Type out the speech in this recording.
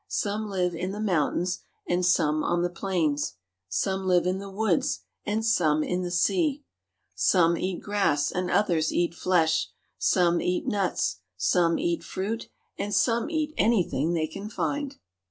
Some live in the mountains and some on the plains. Some live in the woods and some in the sea. Some eat grass, and others eat flesh; some eat nuts, some eat fruit, and some eat anything they can find.